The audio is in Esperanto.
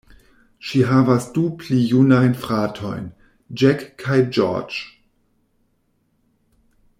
Ŝi havas du pli junajn fratojn, Jack kaj George.